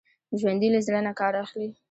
ژوندي له زړه نه کار اخلي